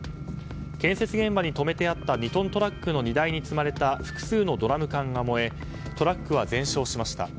建設現場に止めてあった２トントラックの荷台に積まれた複数のドラム缶が燃えトラックは全焼しました。